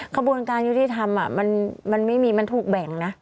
กระบวนการยุติธรรมมันไม่มีมันถูกแบ่งนะ